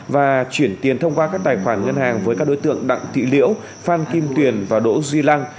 và chuyển tiền thông qua các tài khoản ngân hàng với các đối tượng đặng thị liễu phan kim tuyền và đỗ duy lăng